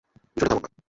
বিষয়টা তেমন না!